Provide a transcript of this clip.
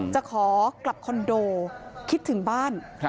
จะขอกลับคอนโดคิดถึงบ้าน